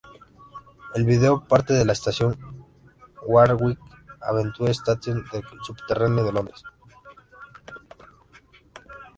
El video parte la estación Warwick Avenue Station del Subterráneo de Londres.